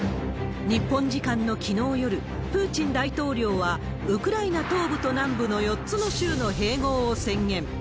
日本時間のきのう夜、プーチン大統領は、ウクライナ東部と南部の４つの州の併合を宣言。